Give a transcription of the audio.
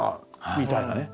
みたいなね。